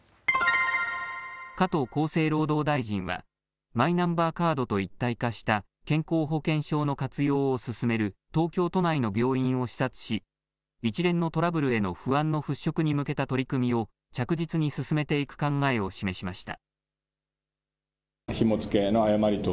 加藤厚生労働大臣はマイナンバーカードと一体化した健康保険証の活用を進める東京都内の病院を視察し一連のトラブルへの不安の払拭に向けた取り組みを着実に進めていく考えを示しました。